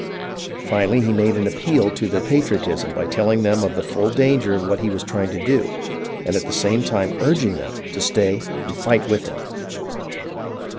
Finally he made an appeal to their patriotism by telling them of the full danger of what he was trying to do and at the same time urging them to stay and fight with him.